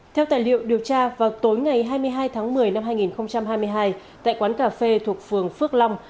theo tài liệu điều tra vào tối ngày hai mươi hai tháng một mươi năm hai nghìn hai mươi hai tại quán cà phê thuộc phường phước long